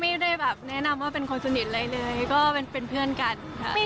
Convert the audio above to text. ไม่ได้แบบแนะนำว่าเป็นคนสนิทอะไรเลยก็เป็นเพื่อนกันค่ะ